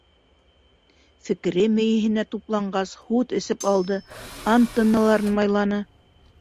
Фекере мейеһенә тупланғас, һут эсеп алды, антенналарын майланы.